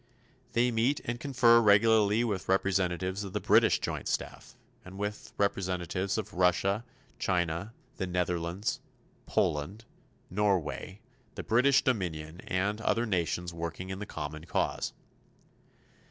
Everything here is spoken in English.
They meet and confer regularly with representatives of the British Joint Staff, and with representatives of Russia, China, the Netherlands, Poland, Norway, the British Dominions and other nations working in the common cause.